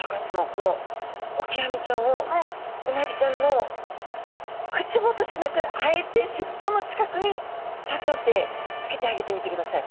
このオキアミちゃんをうなぎちゃんの口元じゃなくあえて尻尾の近くにチョンチョンッて付けてあげてみてください。